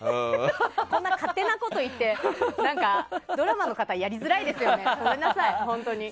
こんな勝手なこと言ってドラマの方やりづらいですよねごめんなさい、本当に。